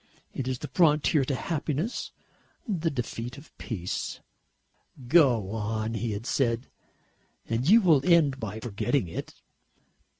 It is the frontier to happiness, the defeat of peace." "Go on," he had said, "and you will end by forgetting it."